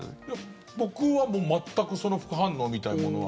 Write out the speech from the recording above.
僕は全くその副反応みたいなものは。